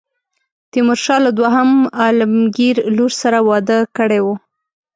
تیمورشاه له دوهم عالمګیر لور سره واده کړی وو.